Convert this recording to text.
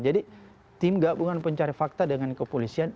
jadi tim gabungan pencari fakta dengan kepolisian